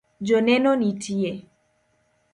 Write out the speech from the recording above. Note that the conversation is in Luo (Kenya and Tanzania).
Joneno nitie